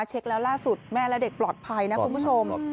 เช็คแล้วล่าสุดแม่และเด็กปลอดภัยนะคุณผู้ชม